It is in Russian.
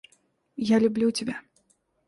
Я люблю тебя.